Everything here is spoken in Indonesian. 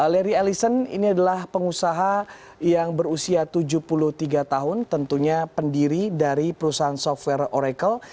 larry ellison ini adalah pengusaha yang berusia tujuh puluh tiga tahun tentunya pendiri dari perusahaan software oracle